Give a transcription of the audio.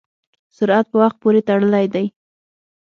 سرعت په وخت پورې تړلی دی.